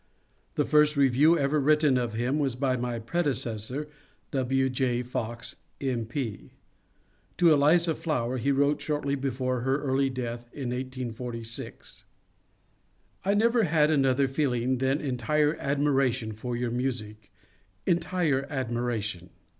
The first review ever written of him was by my predecessor, W. J. Fox, M. P. To Eliza Flower he wrote shortly before her early death in 1846 :^^ I never had another feeling than entire admiration for your music — entire admiration.